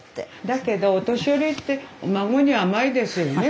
だけどお年寄りって孫に甘いですよねみんな。